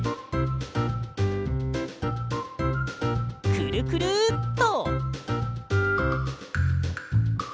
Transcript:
くるくるっと。